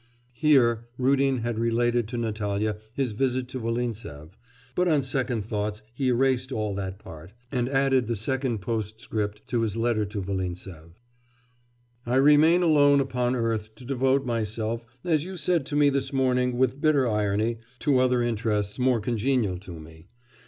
(Here Rudin had related to Natalya his visit to Volintsev, but on second thoughts he erased all that part, and added the second postscript to his letter to Volintsev.) 'I remain alone upon earth to devote myself, as you said to me this morning with bitter irony, to other interests more congenial to me.